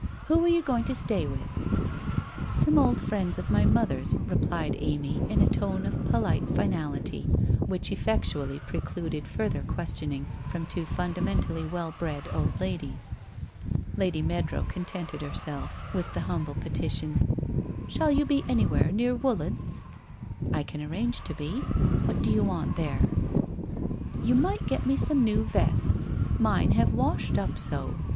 Who are you going to stay with ?'' Some old friends of my mother's/ replied Amy in a tone of polite finality which effectually precluded further ques tioning from two fundamentally well bred old ladies. Lady Meadrow contented herself with the humble petition: ' Shall you be anywhere near Woollands ?'' I can arrange to be. What do you want there ?'' You might get me some new vests. Mine have washed up so.